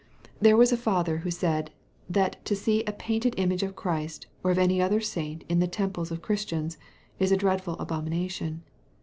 There was a father who said, that to see a painted image of Christ, or of any other saint, in the temples of Christians, is a dreadful abomination.